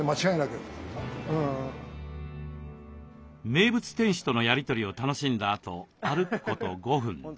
名物店主とのやり取りを楽しんだあと歩くこと５分。